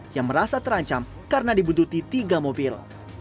yang merasa terancam karena dibuntuti tiga mobil